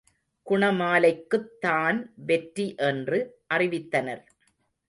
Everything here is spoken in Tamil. குணமாலைக்குத் தான் வெற்றி என்று அறிவித்தனர்.